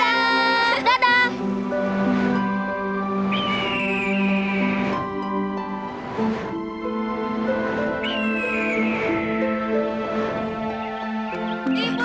jangan lupa komoditas yuk